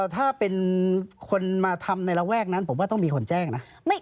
ถ้าเป็นคนมาทำในระแวกนั้นผมว่าต้องมีคนแจ้งนะ